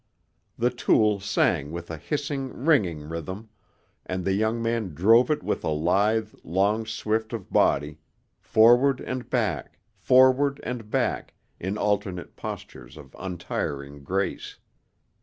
The tool sang with a hissing, ringing rhythm, and the young man drove it with a lithe, long swing of body, forward and back, forward and back, in alternate postures of untiring grace.